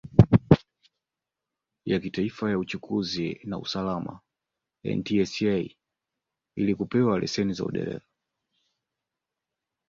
ya Kitaifa ya Uchukuzi na Usalama NTSA ili kupewa leseni za udereva